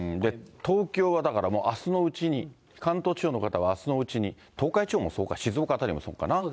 東京はだからあすのうちに、関東地方の方はあすのうちに、東海地方もそうか、静岡辺りもそうかな。